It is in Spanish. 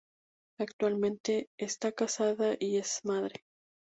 Actualmente está casada y es madre.